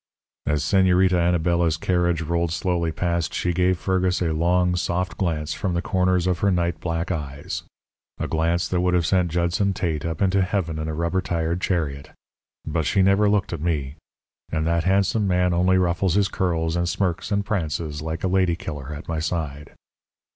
"As Señorita Anabela's carriage rolled slowly past, she gave Fergus a long, soft glance from the corners of her night black eyes, a glance that would have sent Judson Tate up into heaven in a rubber tired chariot. But she never looked at me. And that handsome man only ruffles his curls and smirks and prances like a lady killer at my side.